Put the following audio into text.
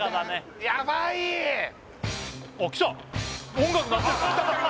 音楽鳴ってる！